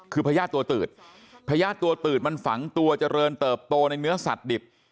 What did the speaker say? คือพญาติตัวตืดพญาติตัวตืดมันฝังตัวเจริญเติบโตในเนื้อสัตว์ดิบ